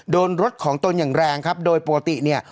โดนรถของตนอย่างแรงครับโดยปกติเนี่ย